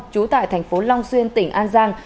trú tại thành phố long xuyên tỉnh an giang